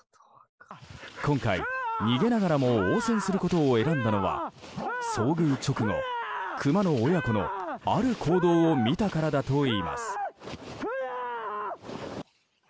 今回、逃げながらも応戦することを選んだのは遭遇直後、クマの親子のある行動を見たからだといいます。